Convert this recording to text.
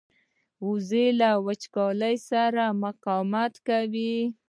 وزې له وچکالۍ سره مقاومت کوي